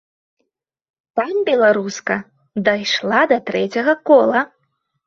Там беларуска дайшла да трэцяга кола.